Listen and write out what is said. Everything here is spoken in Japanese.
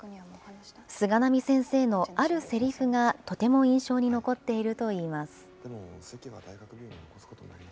菅波先生のあるせりふがとても印象に残っているといいます。